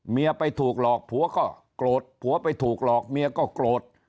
ไปถูกหลอกผัวก็โกรธผัวไปถูกหลอกเมียก็โกรธ